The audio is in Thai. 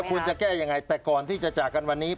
ควรจะแก้ยังไงแต่ก่อนที่จะจากกันวันนี้